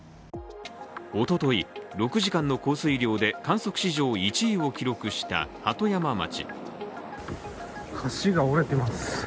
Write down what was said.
おととい、６時間の降水量で観測史上１位を記録した鳩山町。